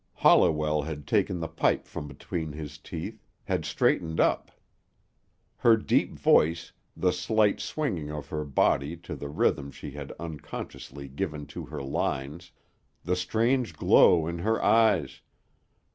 '" Holliwell had taken the pipe from between his teeth, had straightened up. Her deep voice, the slight swinging of her body to the rhythm she had unconsciously given to her lines, the strange glow in her eyes